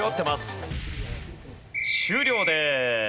終了です。